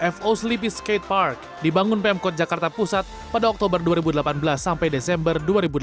fo sleepy skatepark dibangun pemkot jakarta pusat pada oktober dua ribu delapan belas sampai desember dua ribu delapan belas